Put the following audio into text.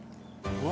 うわ！